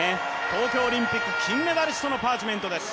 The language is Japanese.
東京オリンピック金メダリストのパーチメントです。